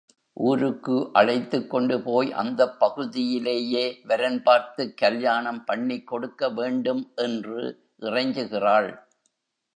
ஊருக்கு அழைத்துக்கொண்டுபோய் அந்தப் பகுதியிலேயே வரன்பார்த்துக் கல்யாணம் பண்ணிக் கொடுக்க வேண்டும்! என்று இறைஞ்சுகிறாள்.